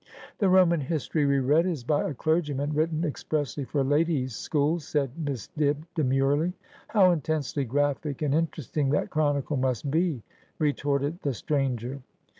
' The Roman history we read is by a clergyman, written ex pressly for ladies' schools,' said Miss Dibb demurely. ' How intensely graphic and interesting that chronicle must be !' retorted the stranger.